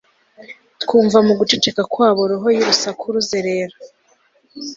Twumva mu guceceka kwabo roho yurusaku ruzerera